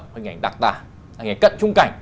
hình ảnh đặc tả hình ảnh cận trung cảnh